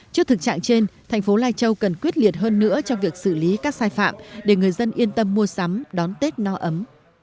trước thực trạng trên thành phố lai châu cần quyết liệt hơn nữa trong việc xử lý các sai phạm để người dân yên tâm mua sắm đón tết no ấm